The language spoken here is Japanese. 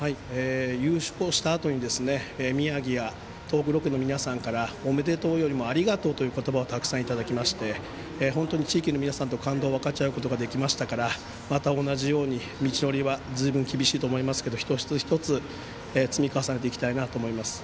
優勝したあとに宮城や東北６県の皆様からおめでとうじゃなくてありがとうという声をたくさんいただきまして地域の皆さんと感動を分かち合うことができましたから道のりは厳しいと思いますけれども一つ一つ積み重ねていきたいと思います。